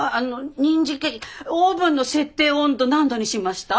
オーブンの設定温度何度にしました？